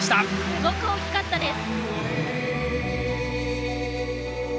すごく大きかったです。